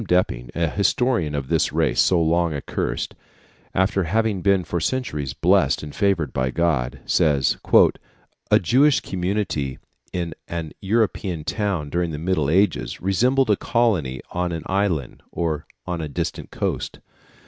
Depping, an historian of this race so long accursed, after having been for centuries blessed and favoured by God, says, "A Jewish community in an European town during the Middle Ages resembled a colony on an island or on a distant coast.